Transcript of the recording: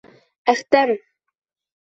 Әхтәм!